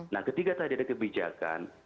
nah ketika tadi ada kebijakan